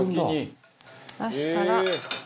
出したら。